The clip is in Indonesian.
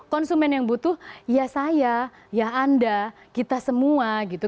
konsumen yang butuh ya saya ya anda kita semua gitu